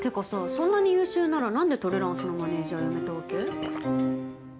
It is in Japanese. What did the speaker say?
そんなに優秀なら何でトレランスのマネジャー辞めたわけ？